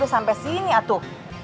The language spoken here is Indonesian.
gak usah terus nanti